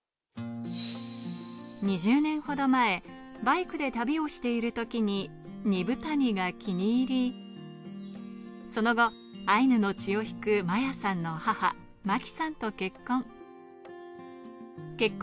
２０年ほど前、バイクで旅をしているときに、二風谷が気に入り、その後アイヌの血を引く摩耶さんの母・真紀さんと結婚。